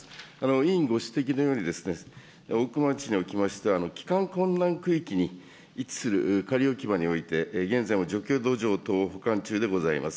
委員ご指摘のように、大熊町におきましては、帰還困難区域に位置する仮置き場において、現在も除去土壌等を保管中でございます。